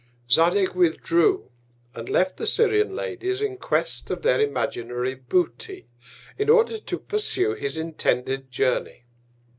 Zadig withdrew, and left the Syrian Ladies in Quest of their imaginary Booty, in order to pursue his intended Journey.